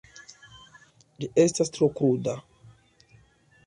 Ĝi estas tro kruda.